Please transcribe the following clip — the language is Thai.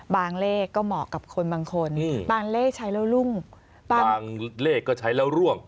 บางเลขก็เหมาะกับคนบางคนบางเลขใช้แล้วรุ่ง